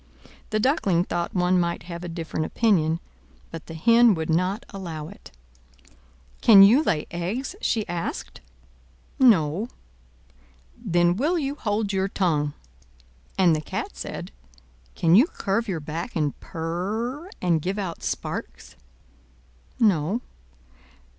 The Duckling thought one might have a different opinion, but the Hen would not allow it. "Can you lay eggs?" she asked. "No." "Then will you hold your tongue!" And the Cat said, "Can you curve your back, and purr, and give out sparks?" "No."